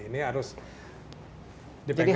ini harus di pegang oleh